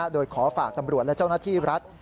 โดยขอฝากตำรวจและเจ้าหน้าที่รัฐ